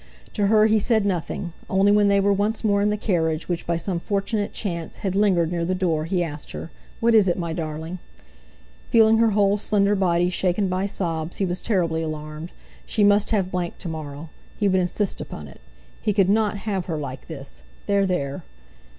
To her he said nothing; only when they were once more in the carriage, which by some fortunate chance had lingered near the door, he asked her: "What is it, my darling?" Feeling her whole slender body shaken by sobs, he was terribly alarmed. She must have Blank to morrow. He would insist upon it. He could not have her like this.... There, there!